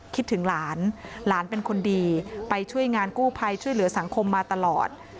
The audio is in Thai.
คิดถึงหลานหลานเป็นคนดีไปช่วยงานกู้ภัยช่วยเหลือสังคมมาตลอด